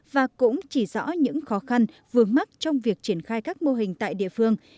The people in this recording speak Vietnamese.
và cũng chỉ rõ những khó khăn vướng mắt trong việc triển khai các mô hình tại địa phương